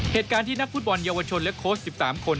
เหตุการณ์ที่นักฟุตบอลเยาวชนและโค้ช๑๓คน